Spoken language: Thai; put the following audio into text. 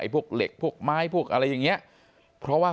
ไอ้พวกเหล็กพวกไม้พวกอะไรอย่างนี้